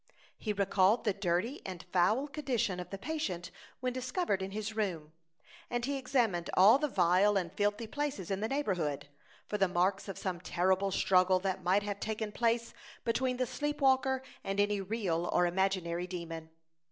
He recalled the dirty and foul condition of the patient when discovered in his room, and he examined all the vile and filthy places in the neighborhood, for the marks of some terrible struggle that might have taken place between the sleep walker, and any real or imaginary demon.